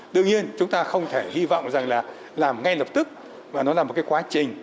đương nhiên chúng ta không thể hy vọng rằng là làm ngay lập tức và nó là một cái quá trình